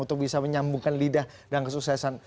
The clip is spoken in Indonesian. untuk bisa menyambungkan lidah dan kesuksesan